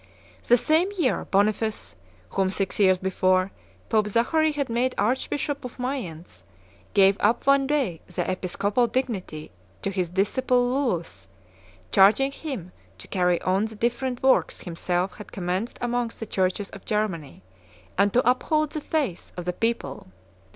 The same year, Boniface, whom, six years before, Pope Zachary had made Archbishop of Mayence, gave up one day the episcopal dignity to his disciple Lullus, charging him to carry on the different works himself had commenced amongst the churches of Germany, and to uphold the faith of the people.